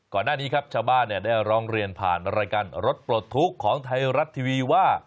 ก่อนหน้านี้ครับชาวบ้านได้ร้องเรียนผ่านรายการรถปลดทุกข์ของไทยรัฐทีวีว่า